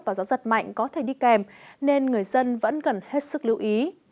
và gió giật mạnh có thể đi kèm nên người dân vẫn cần hết sức lưu ý